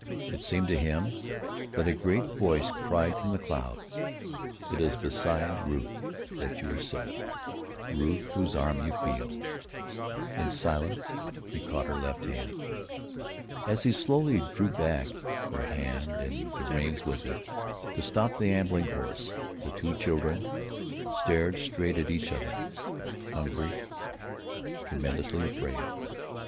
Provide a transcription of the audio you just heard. It seemed to him that a great voice cried from the clouds: "It is beside Ruth that you are sitting; Ruth whose arm you feel!" In silence he caught her left hand. As he slowly drew back her hand and the reins with it, to stop the ambling horse, the two children stared straight at each other, hungry, tremulously afraid.